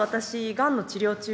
がんの治療中で。